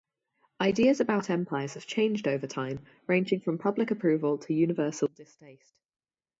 Ideas about empires have changed over time, ranging from public approval to universal distaste.